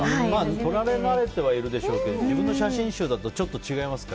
撮られ慣れてはいるでしょうけど自分の写真集だとちょっと違いますか？